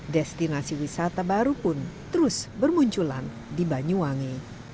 destinasi wisata baru pun terus bermunculan di banyuwangi